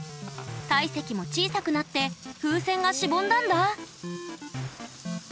体積も小さくなって風船がしぼんだんだ。